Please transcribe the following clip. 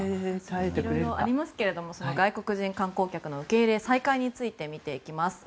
いろいろありますけども外国人観光客の受け入れ再開について見ていきます。